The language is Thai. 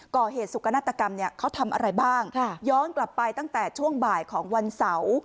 ก่อเหตุสุขนาตกรรมเนี่ยเขาทำอะไรบ้างย้อนกลับไปตั้งแต่ช่วงบ่ายของวันเสาร์